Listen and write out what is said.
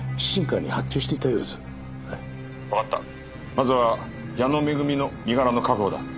まずは矢野恵の身柄の確保だ。